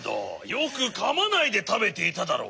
よくかまないでたべていただろう。